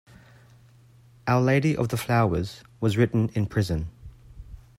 "Our Lady of the Flowers" was written in prison.